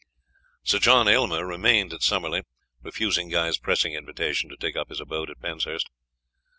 Sir John Aylmer remained at Summerley, refusing Guy's pressing invitation to take up his abode at Penshurst.